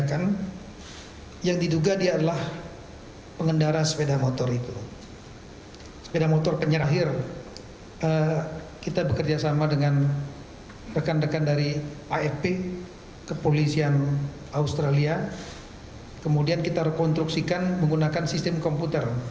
kemudian kita rekonstruksikan menggunakan sistem komputer